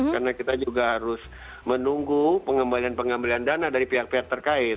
karena kita juga harus menunggu pengembalian pengembalian dana dari pihak pihak terkait